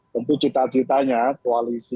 tentu cita citanya koalisi